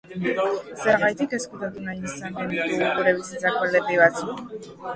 Zergatik ezkutatu nahi izaten ditugu gure bizitzako alderdi batzuk?